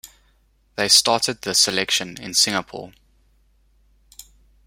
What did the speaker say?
They started the selection in Singapore.